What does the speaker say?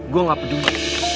gue gak peduli